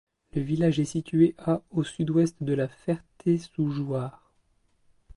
Le village est situé à au sud-ouest de La Ferté-sous-Jouarre.